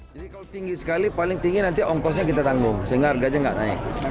jadi kalau tinggi sekali paling tinggi nanti ongkosnya kita tanggung sehingga harga aja nggak naik